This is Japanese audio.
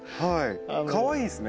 かわいいですね。